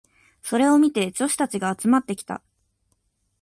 それを見て女子たちが集まってきた。